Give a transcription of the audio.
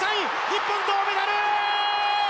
日本銅メダル！